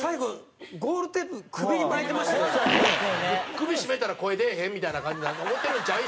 首絞めたら声出えへんみたいな感じに思ってるんちゃう？